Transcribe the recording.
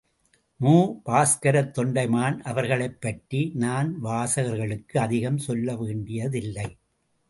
மு. பாஸ்கரத் தொண்டைமான் அவர்களைப் பற்றி, நான் வாசகர்களுக்கு அதிகம் சொல்ல வேண்டியதில்லை.